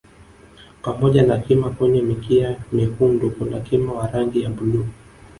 Pamoja na Kima wenye mikia myekundu na kima wa rangi ya bluu